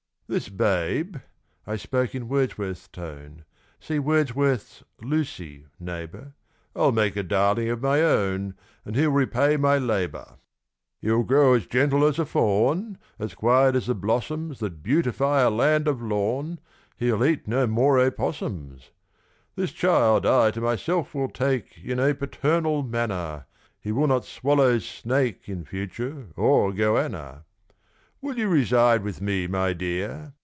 "This babe" I spoke in Wordsworth's tone (See Wordsworth's "Lucy", neighbour) "I'll make a darling of my own; And he'll repay my labour. "He'll grow as gentle as a fawn As quiet as the blossoms That beautify a land of lawn He'll eat no more opossums. "The child I to myself will take In a paternal manner; And ah! he will not swallow snake In future, or 'goanna'. "Will you reside with me, my dear?"